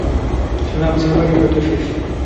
সে ভাবছে এবারই হয়তো শেষ।